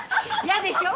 嫌でしょ？